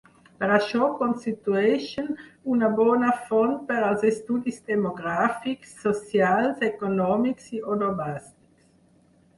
Per això constitueixen una bona font per als estudis demogràfics, socials, econòmics i onomàstics.